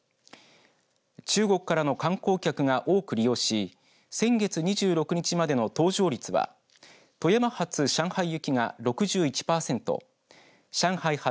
中国からの観光客が多く利用し先月２６日までの搭乗率は富山発上海行きが６１パーセント上海発